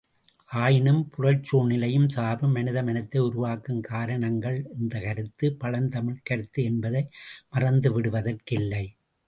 ஆயினும் புறச்சூழ்நிலையும் சார்பும் மனித மனத்தை உருவாக்கும் காரணங்கள் என்ற கருத்து, பழந்தமிழ்க் கருத்து என்பதை மறந்துவிடுவதற்கில்லை.